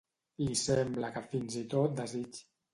Li sembla que fins i tot desig.